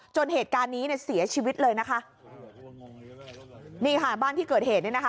จนเหตุการณ์นี้เนี่ยเสียชีวิตเลยนะคะนี่ค่ะบ้านที่เกิดเหตุเนี่ยนะคะ